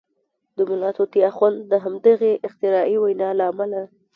د ملا طوطي اخند د همدغې اختراعي وینا له امله.